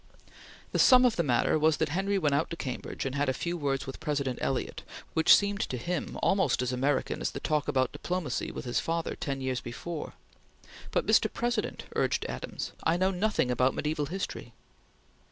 The sum of the matter was that Henry went out to Cambridge and had a few words with President Eliot which seemed to him almost as American as the talk about diplomacy with his father ten years before. "But, Mr. President," urged Adams, "I know nothing about Mediaeval History."